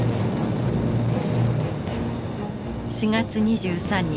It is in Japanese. ４月２３日。